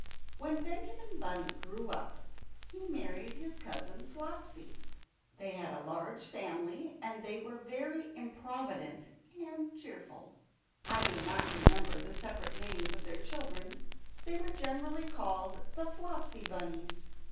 When Benjamin Bunny grew up, he married his Cousin Flopsy. They had a large family, and they were very improvident and cheerful. I do not remember the separate names of their children; they were generally called the "Flopsy Bunnies."